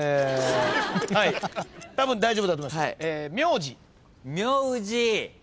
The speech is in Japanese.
たぶん大丈夫だと思います。